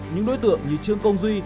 những đối tượng như trương công duy